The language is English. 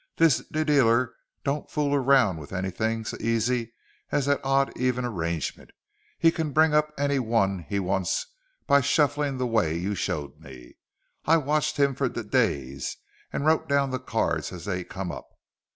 "This d dealer don't fool around with anything so easy as that odd even arrangement. He can bring up any one he wants by shuffling the way you showed me. I watched him for d days and wrote down the cards as they come up.